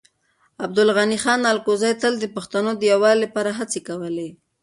عبدالغني خان الکوزی تل د پښتنو د يووالي لپاره هڅې کولې.